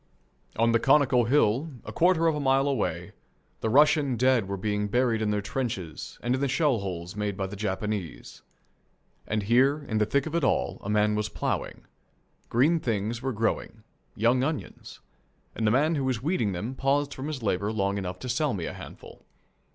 On the conical hill, a quarter of a mile away, the Russian dead were being buried in their trenches and in the shell holes made by the Japanese. And here, in the thick of it all, a man was ploughing. Green things were growing young onions and the man who was weeding them paused from his labour long enough to sell me a handful.